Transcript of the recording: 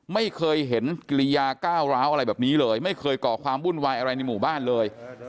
ไม่เคยเห็นกิริยาก้าวร้าวอะไรแบบนี้เลยไม่เคยก่อความวุ่นวายอะไรในหมู่บ้านเลย